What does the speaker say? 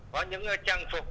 có những trang phục